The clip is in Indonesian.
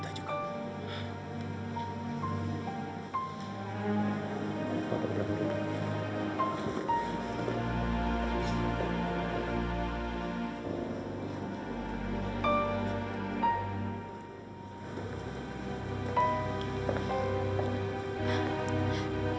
papa berangkat dulu